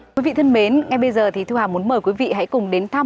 quý vị thân mến ngay bây giờ thì thu hà muốn mời quý vị hãy cùng đến thăm